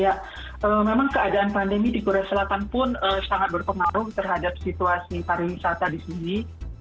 ya memang keadaan pandemi di korea selatan pun sangat berpengaruh terhadap situasi pariwisata di sini